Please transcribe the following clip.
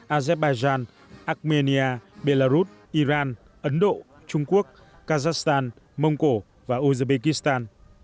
azerbaijan armenia belarus iran ấn độ trung quốc kazakhstan mông cổ và uzbekistan